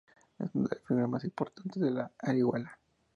Es una de las figuras más importantes de Orihuela.